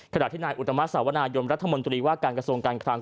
ขณะที่นายอุตมะสาวนายนรัฐมนตรีว่าการกระทรวงการคลัง